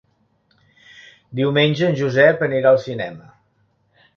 Diumenge en Josep anirà al cinema.